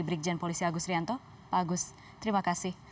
brigjen polisi agus rianto pak agus terima kasih